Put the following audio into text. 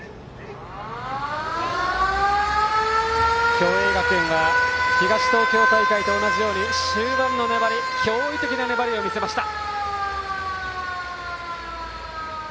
共栄学園は東東京大会と同じように終盤の粘り驚異的な粘りを見せました。